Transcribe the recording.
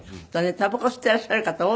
たばこ吸っていらっしゃる方多いのよ。